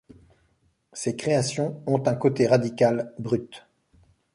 Ses créations ont un côté radical, brut.